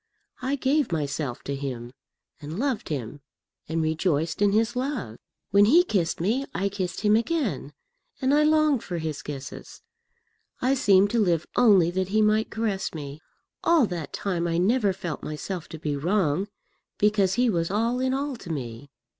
I gave myself to him, and loved him, and rejoiced in his love. When he kissed me I kissed him again, and I longed for his kisses. I seemed to live only that he might caress me. All that time I never felt myself to be wrong, because he was all in all to me.